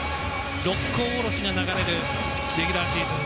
「六甲おろし」が流れるレギュラーシーズン